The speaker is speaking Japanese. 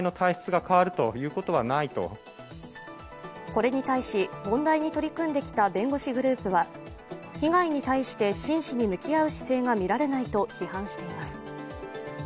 これに対し、問題に取り組んできた弁護士グループは被害に対して真摯に向き合う姿勢がみられていと批判しています。